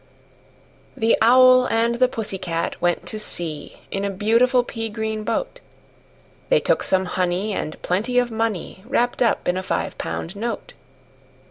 The Owl and the Pussy Cat went to sea In a beautiful pea green boat: They took some honey, and plenty of money Wrapped up in a five pound note.